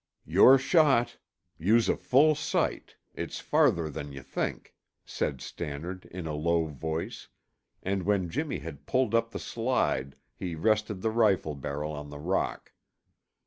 "Your shot. Use a full sight; it's farther than you think," said Stannard in a low voice, and when Jimmy had pulled up the slide he rested the rifle barrel on the rock.